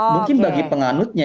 mungkin bagi penganutnya